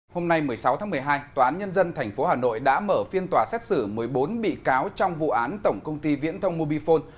hôm nay một mươi sáu tháng một mươi hai tòa án nhân dân tp hà nội đã mở phiên tòa xét xử một mươi bốn bị cáo trong vụ án tổng công ty viễn thông mobifone